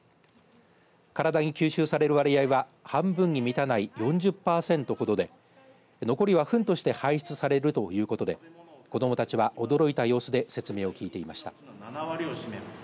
体に吸収される割合は半分に満たない４０パーセントほどで残りはふんとして排出されるということで子どもたちは驚いた様子で説明を聞いていました。